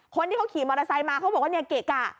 คนที่เขาขี่มอเตอร์ไซค์มาเขาบอกว่าเนี่ยเกะกะ